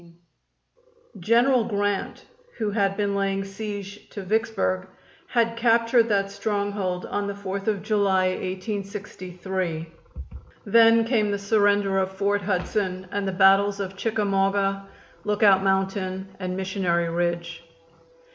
General Grant, who had been laying siege to Vicksburg, had captured that stronghold on the Fourth of July, 1863. Then came the surrender of Fort Hudson and the battles of Chickamauga, Lookout Mountain and Missionary Ridge.